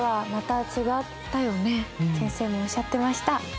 先生もおっしゃってました。